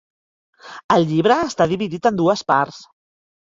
El llibre està dividit en dues parts.